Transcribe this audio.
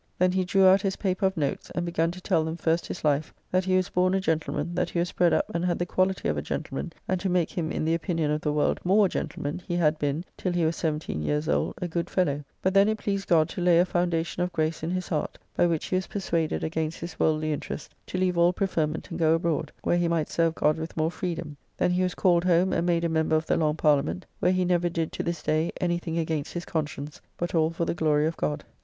Then he drew out his, paper of notes, and begun to tell them first his life; that he was born a gentleman, that he was bred up and had the quality of a gentleman, and to make him in the opinion of the world more a gentleman, he had been, till he was seventeen years old, a good fellow, but then it pleased God to lay a foundation of grace in his heart, by which he was persuaded, against his worldly interest, to leave all preferment and go abroad, where he might serve God with more freedom. Then he was called home, and made a member of the Long Parliament; where he never did, to this day, any thing against his conscience, but all for the glory of God.